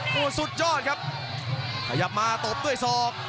โอ้โหสุดยอดครับขยับมาตบด้วยศอก